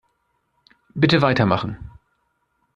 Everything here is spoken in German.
Bitte weitermachen.